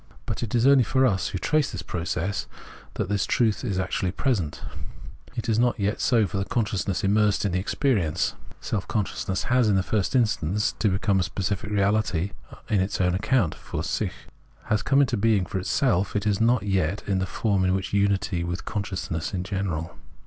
But it is only for us [who trace this process] that this truth is actually present ; it is not yet so for the consciousness immersed in the experience. Self consciousness has in the first iustance become a specific reahty on its own account {fiir sich), has come into being for itself ; it is not yet in the form of unity with consciousness in general.